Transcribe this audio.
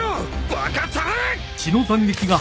バカたれ！！